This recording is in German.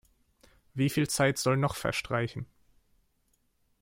Wie viel Zeit soll noch verstreichen?